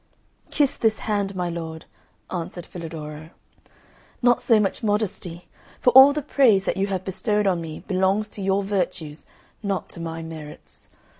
"Kiss this hand, my lord," answered Filadoro, "not so much modesty; for all the praise that you have bestowed on me belongs to your virtues, not to my merits.